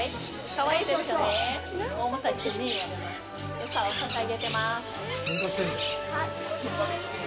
かわいいですよね？